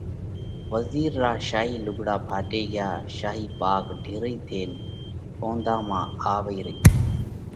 وزِير را شاهِي لُوگھڙا ڦاٽي ڳيا، شاهِي پاڳ ڍِرئِي ٿينَ ڪونڌا مانه آوئِي رئِي۔